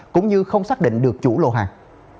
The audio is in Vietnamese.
cũng như không xác định được chủ lô hàng